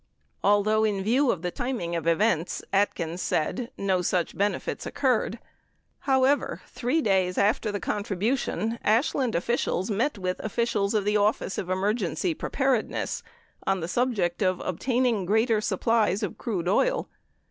43 Although in view of the timing of events, Atkins said, no such benefits occurred. However, 3 days after the contribution Ashland officials met with officials of the Office of Emergency Pre paredness on the subject of obtaining greater supplies of crude oil.